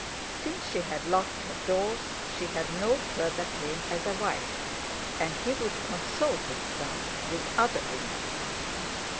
Since she had locked her doors she had no further claim as a wife, and he would console himself with other women.